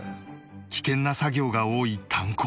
危険な作業が多い炭鉱